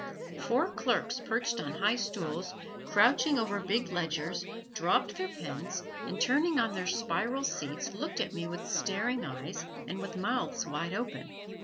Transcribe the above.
Four clerks perched on high stools, crouching over big ledgers, dropped their pens and turning on their spiral seats looked at me with staring eyes, and with mouths wide open.